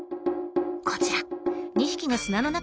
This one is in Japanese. こちら。